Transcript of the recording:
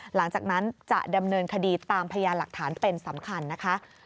หลังจากนั้นจะดำเนินคดีตามพยานหลักฐานเป็นสำคัญนะคะ